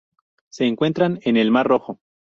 Se encuentran en el Mar Rojo.